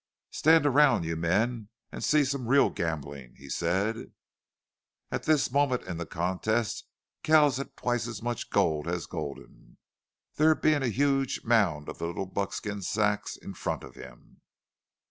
"Stand around, you men, and see some real gambling," he said. At this moment in the contest Kells had twice as much gold as Gulden, there being a huge mound of little buckskin sacks in front of him.